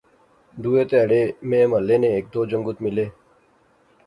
دوہے تہاڑے میں محلے نے ہیک دو جنگت ملے